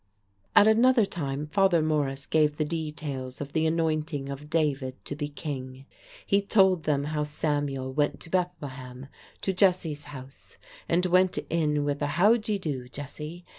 At another time Father Morris gave the details of the anointing of David to be king. He told them how Samuel went to Bethlehem, to Jesse's house, and went in with a "How d'ye do, Jesse?"